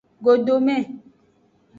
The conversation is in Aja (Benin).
Godome.